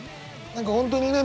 何か本当にね